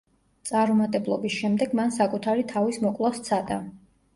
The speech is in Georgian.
წარუმატებლობის შემდეგ მან საკუთარი თავის მოკვლა სცადა.